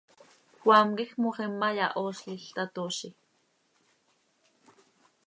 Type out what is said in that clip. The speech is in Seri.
Cmaam quij moxima yahoozlil, tatoozi.